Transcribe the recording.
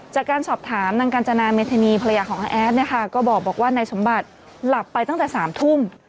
จากการสอบถามนางกาญจนาเมธานีภรรยาของอาแอดเนี่ยค่ะก็บอกว่านายสมบัติหลับไปตั้งแต่๓ทุ่ม